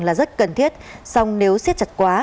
là rất cần thiết song nếu siết chặt quá